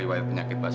ingat ya rekaman